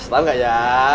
selamat gak ya